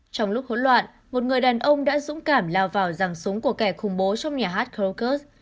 trong lúc hỗn loạn một người đàn ông đã dũng cảm lao vào rằng súng của kẻ khủng bố trong nhà hát krokus